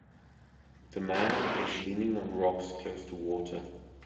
The man is leaning on rocks close to water.